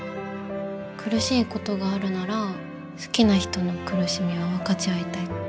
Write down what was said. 苦しいことがあるなら好きな人の苦しみは分かち合いたい。